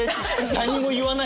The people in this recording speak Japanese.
何も言わないで。